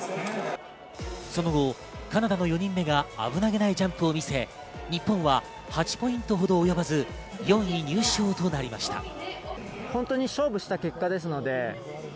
その後、カナダの４人目が危なげないジャンプを見せ、日本は８ポイントほど及ばず、４位入賞となりました。